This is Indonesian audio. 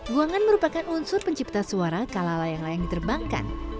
guangan merupakan unsur pencipta suara kala layang layang diterbangkan